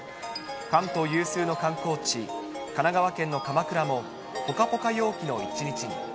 関東有数の観光地、神奈川県の鎌倉もぽかぽか陽気の一日に。